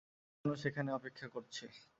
তোমার জন্য সেখানে অপেক্ষা করছে!